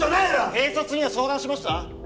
警察には相談しました？